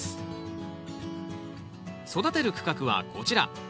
育てる区画はこちら。